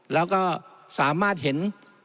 แล้วก็สามารถเห็น